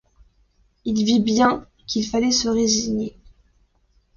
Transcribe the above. Il vit bien qu’il fallait se résigner.